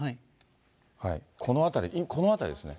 この辺り、この辺りですね。